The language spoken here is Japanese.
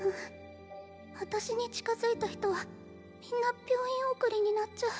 私に近づいた人はみんな病院送りになっちゃう